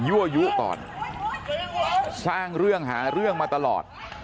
ั่วยุก่อนสร้างเรื่องหาเรื่องมาตลอด